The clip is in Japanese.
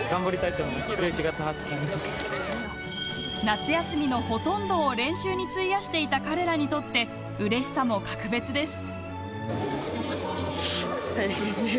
夏休みのほとんどを練習に費やしていた彼らにとってうれしさも格別です。